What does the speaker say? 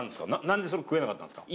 何でそれ食えなかったんですか？